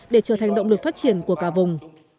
để trở thành động lực phát triển của cả vùng